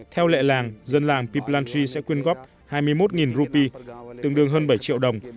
theo lệ làng dân làng pip lanchy sẽ quyên góp hai mươi một rupee tương đương hơn bảy triệu đồng